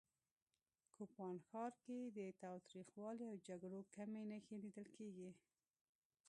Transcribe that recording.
کوپان ښار کې د تاوتریخوالي او جګړو کمې نښې لیدل کېږي